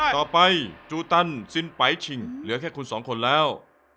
ต่อไปจูตันสินไปต์หมดเดี๋ยวแค่คุณสองคนแล้ว